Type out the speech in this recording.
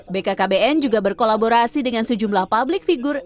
bkkbn juga berkolaborasi dengan sejumlah publik figur